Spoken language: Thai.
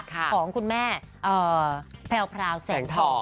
ของคุณแม่แพรวแสงทอง